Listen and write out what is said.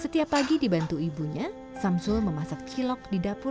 setiap pagi dibantu ibunya samsul memasak cilok di dalam kota soiran